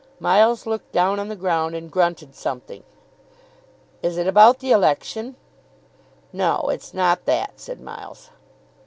Miles looked down on the ground, and grunted something. "Is it about the election?" "No, it's not that," said Miles.